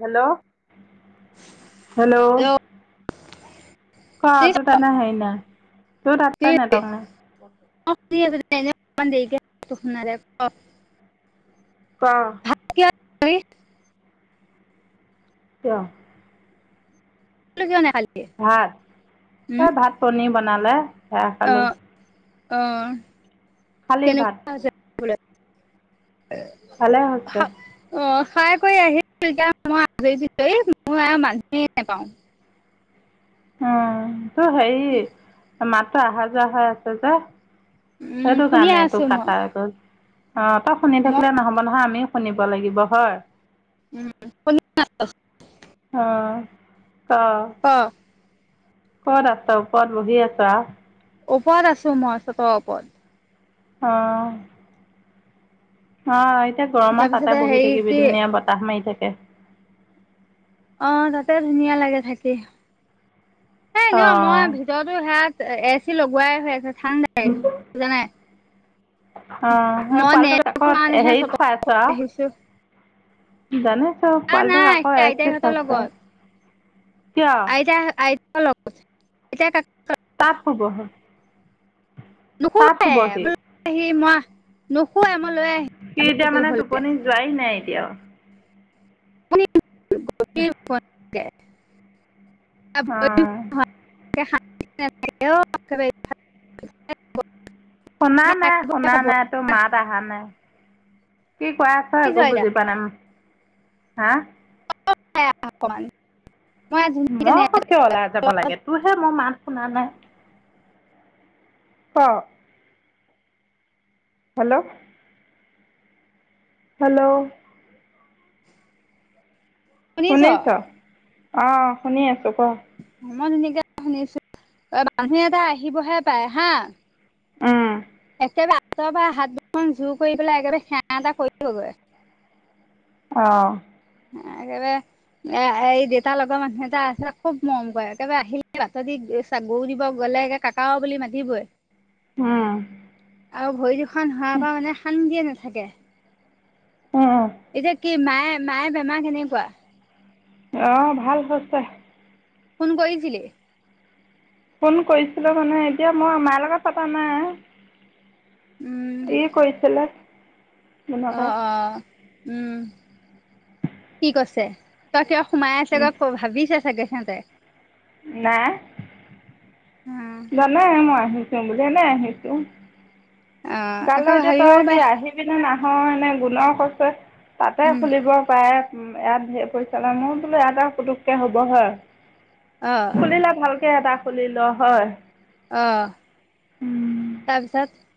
Hello hello অ শুনিছ তোৰ তানা হেৰি নাই তোৰ কি তাতে নেটৱৰ্ক মই [unintelligible] ক [unintelligible] কিয়? এইটো কিয় নাখালি ভাত, তাই ভাত পনীৰ বনালে সেয়া খালোঁ অঁ অঁ খালি ভাত কেনেকুৱা হৈছে খাবলে এ ভালে হৈছে হা অ খাই কৰি আহিছিলো এতি মই আজৰি বিজৰি মই আৰু মানু নাপাও উম তো হেৰি মাতটো অহা যোৱা হৈ আছে যে উম সেইটো শুনিয়ে কাৰণেটো আছো মই কাটা অক। অ তই শুনি মই থাকিলে নহ'ব নহয় আমিও শুনিব লাগিব হয়। উম। অ অ। অ। ক'ত আছ? ওপৰত বহি আছো আ। ওপৰত আছো মই চত ওপৰত। অঁ। অঁ এতিয়া গৰমত তাৰপিছতে তাতে বহি হেৰি থাকিবি কি ধুনীয়া বতাহ মাৰি থাকে। অ তাতে ধুনীয়া লাগে থাকি, এ অ অ এনেও মই। [unintelligible] এ চি লগোৱাই হৈ আছে ঠাণ্ডাই বুজা নাই। অ, মই পোৱালিটোক নেটৱৰ্কটোৰ আকত কাৰণেহে হেৰিত চতত খাই আছো আও। আহিছো জানে। আ নাই সেই আইতাইহঁতৰ লগত কিয় আইতা আই। [unintelligible] এতিয়া [unintelligible] পব [unintelligible] নুখোৱৱাই সি ল আহি মই নুখোৱাই মই লৈ আহি। সি এতিয়া মানে টোপনি যোৱাই নাই এতিয়াও। [unintelligible] অ। [unintelligible] শুনা নাই, শুনা নাই, তোৰ মাত অহা নাই, কি কোৱা? আকো বুজি পোৱা নাই হা। [unintelligible] মই ধুনীয়াকে মই অক কিয় ওলাই যাব নেটৱৰ্কত লাগে? তোৰহে মই মাত শুনা নাই। ক। হেল্ল'। হেল্ল'। শুনিছ' অঁ শুনি আছোঁ ক। [unintelligible] শুনিছো অ [unintelligible] এটা আহিবহে পাই হা। উম একেবাৰে আঁতৰ পৰা হাত দুখন জোৰ কৰি পেলাই একেবাৰে সেৱা এটা কৰিবগৈ। অঁ। ে [inaudible] এ এই দেউতাৰ লগৰ মানুহ এটা আছে খুব মৰম কৰে একেবাৰে আহিলে ভাতৰি গৰু দিব গ'লে। কাকাও বুলি মাতিবই। আহ। আৰু ভৰি দুখ হোৱাৰ পৰা মানে শান্তিয়ে নাথাকে। উম উও। এতিয়া কি মায়ে মায়ে বেমাৰ কেনেকুৱা? অঁ ভাল হৈছে। ফোন কৰিছিলি? ফোন কৰিছিলোঁ মানে এতিয়া মই মাই লগত পতা নাই। উম ই কৈছিলে। অ, অ, উম, কি কৈছে, [unintelligible] সোমাই আছে উম, [unintelligible] ভাবিছে চাগে সিহঁতে। নাই। জানাই মই আহিছো বুলি এনে আহিছো। অ আকৌ কালৈ এতিয়া ভাবিব তই কি পাই আহি পিনে নাহয় এনে গুণৰ কছে তাতে উম খুলিব পাৰে। উম', ইয়াতঢেৰ পৰিচা লয়। মোৰ বোলো এয়াটা পুটুককে হ'ব হয়। অ', খুলিলে ভালকে এটা খুলিল হয়। অ', উম, তাৰপিছত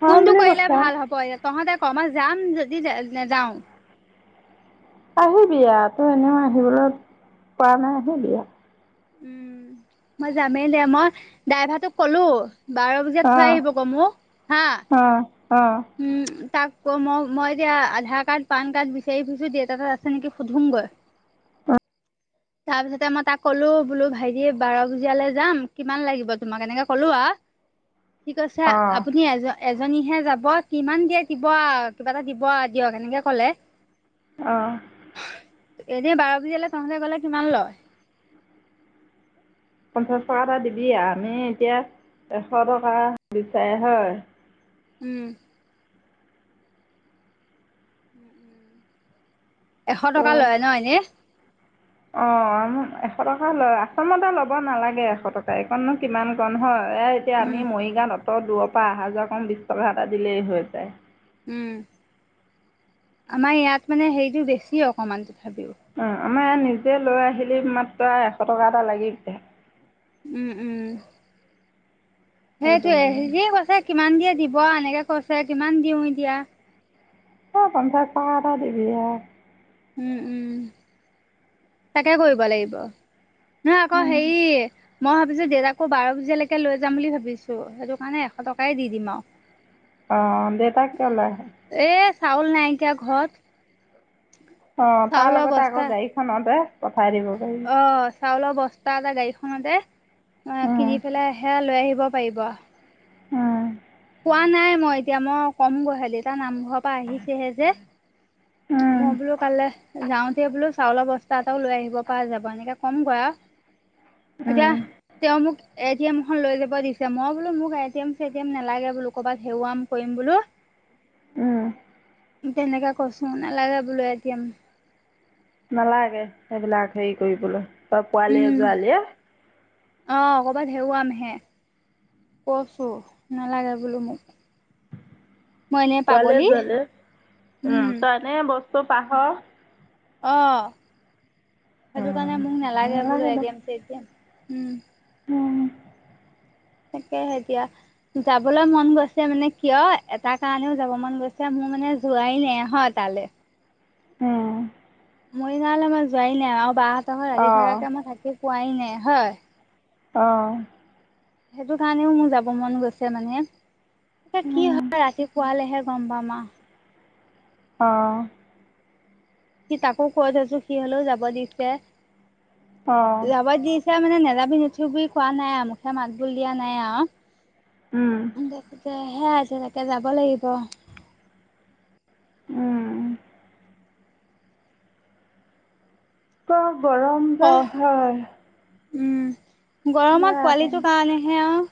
হয় কোনটো বুলি কৰিলে কৈছে ভাল হ'ব এ, তহঁতে কবা যাম যদি নাযাও। আহিবি আ, এনেও আহিবলৈ পোৱা নাই আহিবি আ, উম', মই যামেই দে মই ড্ৰাইভাৰটোক কলো। বাৰবোজিয়াত থৈ অঁ আহিব ক মোক হা। অ', অ', উম তাক ক মই-মই এতিয়া আধাৰ কাৰ্ড পান কাৰ্ড বিচাৰি ফুছো দেত এাত আছে নেকি সুধোং গৈ তাৰ পিছতে মই তাক ক'লো বোলো ভাইটি বাৰ বজিয়ালৈ যাম কিমান লাগিব তোমাক? এনেকে কলো আৰু [inaudible] ঠিক আছে। অ', আপুনি আজ এজনীহে যাব কিমান দিয়ে দিব আ কিবা এটা দিব আ দিয়ক এনেকে কলে অ', এনে বাৰ বজালৈ তহতে গলে কিমান লয়? পঞ্চাছ টকা এটা দিবি। আমি এতিয়া এশ টকা দিচাৰ হয়। উম', এশ ত' টকা লয় ন এনেই। অ', এশ টকা লয়। আচামতে ল'ব নালাগে এশ টকা এইকণনো কিমান কন হয়। এতিয়া উম আমি মৰিগাঁত অঁত দূৰৰ পৰা আহা যোৱা কম বিশ টকা এটা দিলেই হৈ যায়। উম', আমাৰ ইয়াত মানে হেৰিটো বেছি অকণমান তথাপিও অ', আমাৰ ইয়াত নিজে লৈ আহিলি মাত্ৰ এশ টকা এটা লাগিছে। উম', উম, সেইটো সেইটোৱে মানে [unintelligible] কৈছে কিমান দিয়ে দিব এনেকে কৈছে কিমান দিওঁ এতিয়া। অ', পঞ্চাছ টকা এটা দিবি এ, উম', উম, তাকে কৰিব লাগিব। নহ আকৌ হেই মই ভাবিছোঁ দেউতাকো বাৰ বজিয়ালৈকে লৈ যাম বুলি ভাবিছো। সেইটো কাৰণে এশ টকাই দি দিম আৰু অ', দেউতাক কিয়লাই আহে। এ', চাউল নাইকিয়া ঘৰত। অ', তাৰ চাউলৰ লগতে বস্তা আকৌ গাড়ীখনতে পঠাই দিব পাৰি। অ চাউলৰ বস্তা এটা গাড়ীখনতে উম, কিনি পেলাইহে লৈ আহিব পাৰিব। অ', কোৱা নাই। মই এতিয়া মই কম গহালি তাৰ নামঘৰৰ পৰা আহিছেহে যে, উম, মই বোলো কাইলৈ যাওঁতে বোলো চাউলৰ বস্তা এটাও লৈ আহিব পৰা যাব। এনেকে কমগৈ আৰু এতিয়া উম, তেওঁ মোক এটি এম খন লৈ যাব দিছ মই বোলো মোক এটি এম নালাগে বোলো। কৰবাত হেওৱাম কৰিম বোলো। উম', তেনেকাে কছো নালাগে বোলো। এ টি এম নালাগে। সেইবিলাক হেৰি কৰিবলৈ তই পোৱালি উম যোৱালীয়ে অ', কৰবাত হেওৱাম হে কইছো নালাগে বোলো মোক মই এনেই পোৱালিৱে পাগলী যোৱালীয়ে উম তই এনে বস্তু পাহৰ অ সেইটো কাৰণে উম, মোক নালাগে বোলো এটি এম চে টিএম উম উম তাকেহে এতিয়া যাবলৈ মন গৈছে মানে কিয় এটা কাৰণেও যাব মন গৈছে মোৰ মানে যোৱাই নাই হোৱা তালে অ মৰিনালে মই যোৱাই নাই আৰু বাহঁতক ৰাতি অ', থকাকে মই থাকি পোৱাই নাই হয় অ সেইটো কাৰণেও মোৰ যাব মন গৈছে মানে এতিয়া কি উম, হয় ৰাতিপুৱালেহে গম পাম আও অ সি তাকো কৈ চাইছো সি হলেও যাব দিছে অ', যাব দি দিছে মানে নেযাবি নোথোবি কোৱা নাই আৱ মুখে মাত বোল দিয়া নাই আৱ উম দাকেহে সেয়া তাকে যাব লাগিব উম চব গৰম যে অ' হয় উম গৰমত পোৱালিটো কাৰণেহে আও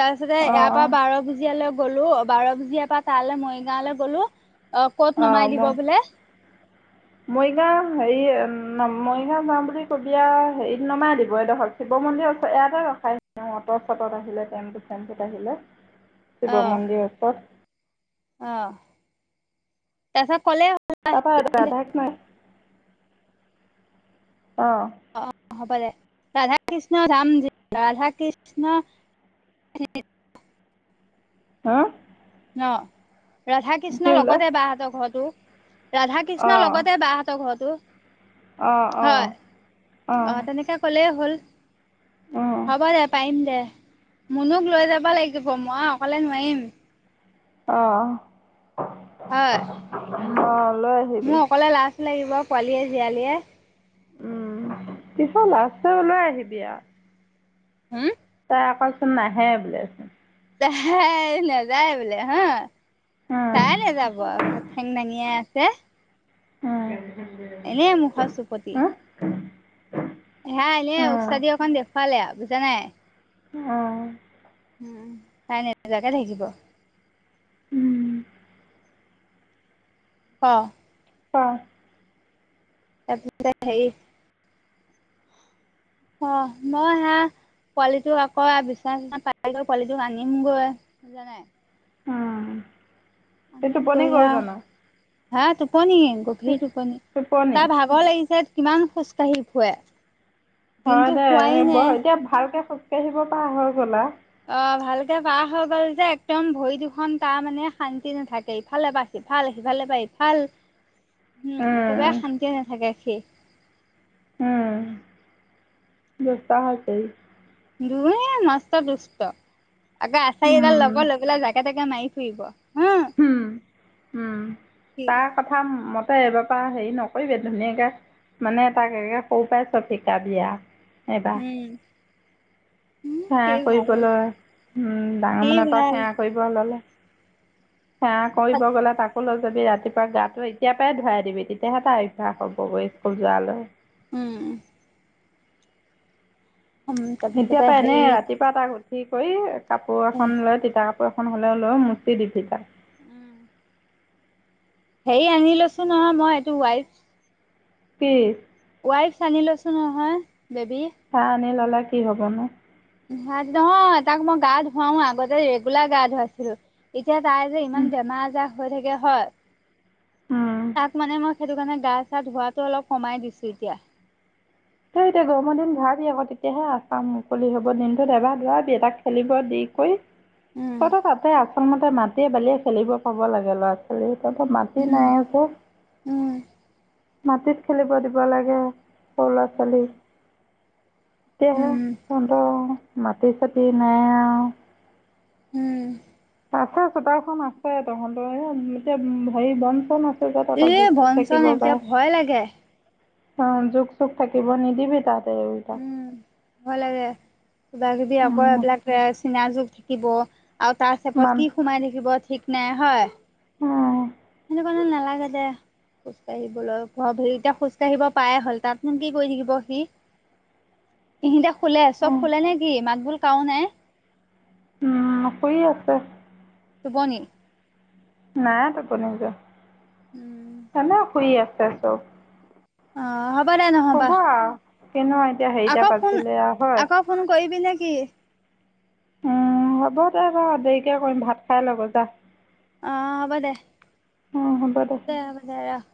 তাৰ পিছতে ইয়াৰ পৰা অ', বাৰ ভজিয়ালৈ গলো বাৰ ভজিয়াৰ পৰা তালে মই গাঁৱলৈ গ'লো অ ক'ত অ', নমাই দিব মই বোলে [unintelligible] মৰিগাঁও হেৰি মৰিগাঁও যাওঁ বুলি ক'বি আও হেৰিত নমাই দিব এডোখ শিৱ মন্দিৰৰ ওচৰত এয়াতে ৰখাই অট' চটত আহিলে টেম্পু চেম্পুত আহিলে অ শিৱ মন্দিৰ ওচৰত অ তাৰ পিছত ক'লে হল [unintelligible] অ অ হ'ব দে ৰাধা কৃষ্ণ ধাম ৰাধা কৃষ্ণ হা ন ৰাধা কি কৃষ্ণ বোলে লগতে বাহঁতৰ ঘৰটো ৰাধা কৃষ্ণৰ অঁ লগতে বাহঁতৰ ঘৰটো অঁ অঁ হয় অঁ অ তেনেকে ক'লে হ'ল অঁ হ'ব দে পাৰিম দে মুনুক লৈ যাব লাগিব মই অকলে নোৱাৰিম অ হয় অ অ লৈ মোৰ আহিবি অকলে লাজ লাগিব পোৱালীয়ে জিয়ালীয়ে উম পিছে লাজ লৈ হলেও আহিবি আও হুম তাই আকৌচোন নাহে বোলে তাই নাযায় বোলে হা অঁ তাই নেযাব আৱ ঠেং দাঙিয়ে আছে উম এনেই মুখৰ চুপতি সেয়া এনেই অঁ অঁ উস্তাদি অকন দেখুৱালে আৱ বুজা নাই অ উম, তাই নোজাকে থাকিব। উম, উম। ক! অ'। তাৰপাছতে হেৰি অ', মই হেয়া পোৱালিটো আকৌ আ বিচনা চিচনা পাৰি লৈ পোৱালিটোক আনিমগৈ বুজা নাই। অ'। আনি কৰি আৰু হেয়া টোপনি গভীৰ ইচ, টোপনি। টোপনি তাৰ ভাগ ভাগৰ লাগিছে কিমান খোজকাঢ়ি ফুুৰে। হয়, দে এ বৰ এতিয়া ভালকে খোজকাঢ়িব পাৰ হৈ গ'লা আৰু। অ', ভালকে পাৰ হৈ গ'ল যে একদম ভৰি দুখন তাৰ মানে শান্তি নাথাকে। ইফালে এবাৰ সিফাল সিফাল পা ইফাল। [inaudible] উম, একেবাৰে শান্তিয়ে নাথাকে সি। উম, দুষ্ট হৈছে সি। দু এই মষ্ট দুষ্ট আকৌ আচাৰি এদাল ল'ব ল'ব লৈ পেলাই জাকে তাকে মাৰি ফুৰিব। হা হম, উম, সি তাক কথা মতে এইবাৰপা হেৰি নকৰিবি ধুনীয়াকে মানে তাক এতিয়া সৰু পাই চব শিকাবি আৰু। এইবাৰ উম। উম, সেৱা সি ভাল কৰিবলৈ উম ডাঙৰ সি মানুহৰ এটাক ভাল সেৱা কৰিব ল'লে। সেৱা কৰিব গ'লে তাক স্কুললৈ যদি ৰাতিপুৱা গাটো এতিয়া‌ পাই ধুৱাই দিবি তেতিয়াহে তাৰ অভ্যাস হ'বগৈ স্কুল যোৱালৈ। উম। এতিয়া তাৰপিছতে পা এনে হেৰি ৰাতিপুৱা তাক উঠি কৰি কাপোৰ এখন লৈ তিতা কাপোৰ এখন হ'লেও লৈ মু্চি দিবি তাক। উম। হেৰি আনি লৈছো নহয় মই এইটো ৱাইপচ। কি? ৱাইফস্পচ আনি লৈছো নহয় বেবী। সেয়া আনি ল'লে কি হ'বনো? নহয় তাক মই গা ধুৱাও আগতে ৰেগুলাৰ গা ধুৱাইছিলো। এতিয়া তাই যে ইমান বেমাৰ আজাৰ হৈ থাকে হয়। উম, তাক মানে মই সেইটো কাৰণে গা চা ধোৱাাতো অলপ কমাই দিছো এতিয়া। তেওঁ এতিয়া গৰমৰ দিন ধুৱাবি আকৌ তেতিয়াহে আহ পাহ‌ মুকলি হ'ব দিনটোত এবাৰ ধুৱাবি তাক খেলিব দি কৰি উম তহঁতক তাতে আচলতে মাটিয়ে বালিয়ে খেলিব পাব লাগে ল'ৰা‌ ছোৱা তহঁতৰ মাতি উম নাই আৰু চব উম মাটিত খেলিব দিব লাগে সৰু ল'ৰা ছোৱালী। তেতিয়াহে উম তহঁতৰ মাটি চাতি নাই আৰু। উম। আছে চোতালখন আছে তহঁতৰ এয়া এতিয়া হেৰি বন চন আছ এ [unintelligible] জোক চুক বন চন থাকিব এতিয়া পাৰে। ভয় লাগে অ', জোক চুক থাকিব নিদিবি তাতে [unintelligible] উম ভয় লাগে কিবা কিবি আকৌ এইবিলাক চিনা জুক থাকিব। আৰু তাৰ মান চেপত কি সোমাই থাকিব ঠিক নাই হয়। অঁ এই নালাগে দে খোজকাঢ়িবলৈ ঘ হেৰি এতিয়া খোজকাঢ়িব পাই হ'ল তাত নো কি কৰি থাকিব সি [inaudible] ইহিতে শুলে চব শুলে নে কি মাত বোল কাও নাই। উম শুই আছে। টোপনি নাই টোপনি যোৱা এনে শুই আছে চব। অ হ'ব দে নহ'বা শুব আৰু কিনো এতিয়া হেৰিটা আকক ফোন বাজিলে আৰু হয় আকক ফোন কৰিবি নে কি? উম হ'ব দে বাৰু দেৰিকে কৰিম ভাত খাই ল গৈ যা। অ হ'ব দে। অ হ'ব দে। দে হ'ব দে ৰাশ।